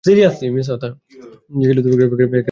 এখানে কোন আঞ্চলিক কাউন্সিল নেই।